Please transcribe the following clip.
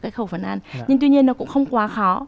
cái khẩu phần ăn nhưng tuy nhiên nó cũng không quá khó